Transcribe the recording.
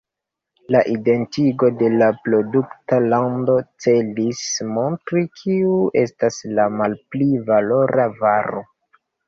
La identigo de la produkta lando celis montri kiu estas la malpli valora varo.